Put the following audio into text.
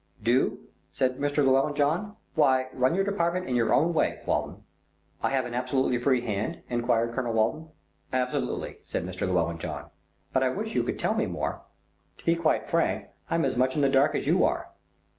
"Do," said Mr. Llewellyn John, "why run your department in your own way, Walton." "I have an absolutely free hand?" enquired Colonel Walton. "Absolutely," said Mr. Llewellyn John; "but I wish you could tell me more." "To be quite frank, I'm as much in the dark as you are.